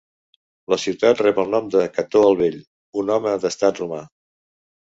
La ciutat rep el nom de Cató el Vell, un home d'estat romà.